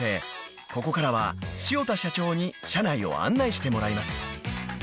ここからは塩田社長に社内を案内してもらいます］